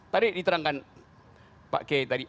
tadi diterangkan pak k tadi